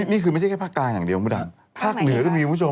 นี่คือไม่ใช่แค่ภาคกลางอย่างเดียวมดดำภาคเหนือก็มีคุณผู้ชม